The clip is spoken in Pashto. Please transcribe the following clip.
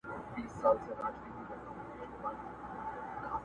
د ژوند له ټاله به لوېدلی یمه٫